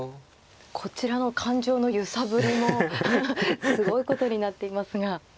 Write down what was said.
こちらの感情の揺さぶりもすごいことになっていますが。